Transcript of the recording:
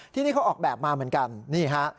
ที่นี่เขาออกแบบมาเหมือนกันนี่ฮะ